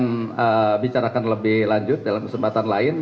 nanti kita akan bicarakan lebih lanjut dalam kesempatan lain